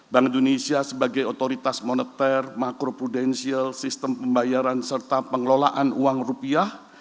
bank indonesia sebagai otoritas moneter makro prudensial sistem pembayaran serta pengelolaan uang rupiah